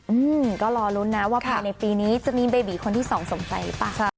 อืมก็รอลุ้นนะว่าภายในปีนี้จะมีเบบีคนที่สองสงสัยหรือเปล่า